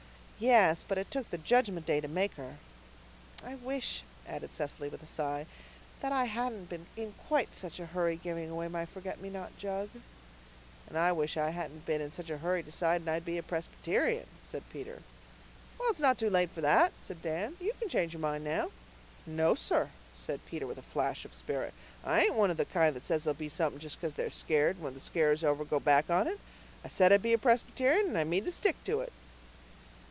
"Yes, but it took the Judgment Day to make her. I wish," added Cecily with a sigh, "that I hadn't been in quite such a hurry giving away my forget me not jug." "And I wish I hadn't been in such a hurry deciding I'd be a Presbyterian," said Peter. "Well, it's not too late for that," said Dan. "You can change your mind now." "No, sir," said Peter with a flash of spirit, "I ain't one of the kind that says they'll be something just because they're scared, and when the scare is over go back on it. I said I'd be Presbyterian and I mean to stick to it."